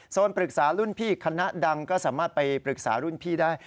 ปรึกษารุ่นพี่คณะดังก็สามารถไปปรึกษารุ่นพี่ได้